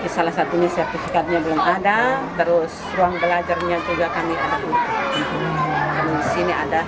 salah satunya sertifikatnya belum ada terus ruang belajarnya juga kami